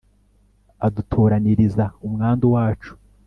adutoraniriza umwandu wacu